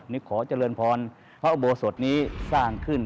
ขอเจริญพรพระอุโบสถนี้สร้างขึ้น